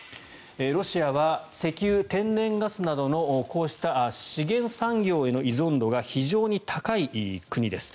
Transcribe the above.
ロシアは石油、天然ガスなどのこうした資源産業への依存度が非常に高い国です。